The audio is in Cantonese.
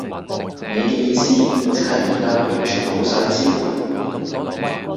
你嘅意思即係而家完全冇晒支援？